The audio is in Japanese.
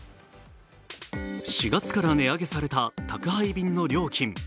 ４月から値上げされた宅配便の料金。